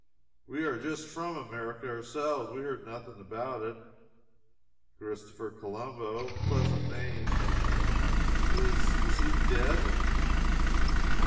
We are just from America ourselves. We heard nothing about it. Christopher Colombo pleasant name is is he dead?"